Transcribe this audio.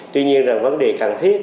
tuy nhiên là vấn đề cần thiết